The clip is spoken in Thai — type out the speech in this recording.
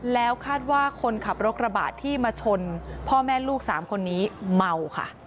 แล้วคาดว่าคนขับรถกระบะที่มาชนพ่อแม่ลูก๓คนนี้เมาค่ะ